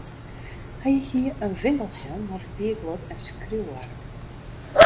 Hy hie in winkeltsje mei papierguod en skriuwark.